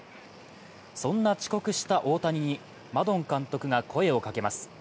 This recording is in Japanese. そんな遅刻した大谷にマドン監督が声をかけます。